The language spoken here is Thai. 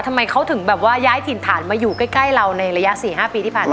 ทำไมเขาถึงแบบว่าย้ายถิ่นฐานมาอยู่ใกล้เราในระยะ๔๕ปีที่ผ่านมา